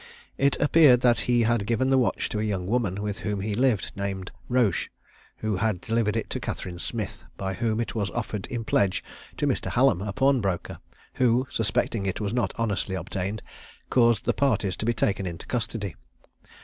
It appeared that he had given the watch to a young woman with whom he lived, named Roche, who had delivered it to Catherine Smith, by whom it was offered in pledge to Mr. Hallam a pawnbroker, who, suspecting it was not honestly obtained, caused the parties to be taken into custody.